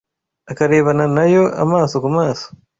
akarebana na yo amaso ku maso,